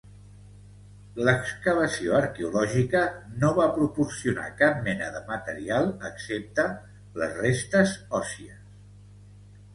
L'excavació arqueològica no va proporcionar cap mena de material excepte les restes òssies.